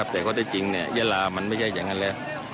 แต่ก็ได้จริงยาลามันไม่ใช่อย่างนั้นแล้ว